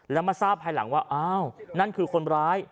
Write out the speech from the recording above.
แล้วมาทราบภายหลังว่าอ้าวนั่นคือคนร้าย